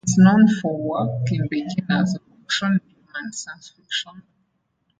He is known for work in the genres of action, drama, and science fiction.